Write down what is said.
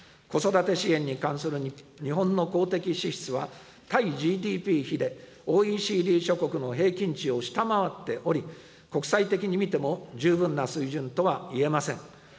子育て支援に関する日本の公的支出は、対ＧＤＰ比でＯＥＣＤ諸国の平均値を下回っており、国際的に見ても、十分な水準とは言えません。